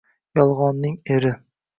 …yolgʻonning eri…